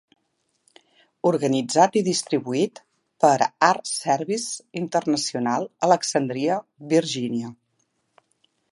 Organitzat i distribuït per Art Services International, Alexandria, Virginia.